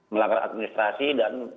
melanggar administrasi dan